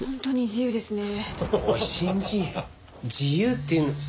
自由っていうのは。